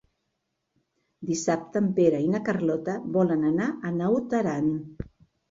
Dissabte en Pere i na Carlota volen anar a Naut Aran.